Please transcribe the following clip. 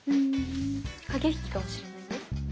駆け引きかもしれないよ。